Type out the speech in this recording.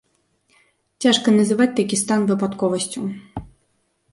Цяжка назваць такі стан выпадковасцю.